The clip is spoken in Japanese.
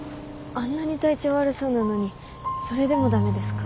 あんなに体調悪そうなのにそれでも駄目ですか？